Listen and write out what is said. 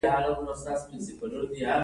په داسې حال کې چې اخیستونکي ورځ تر بلې کمېږي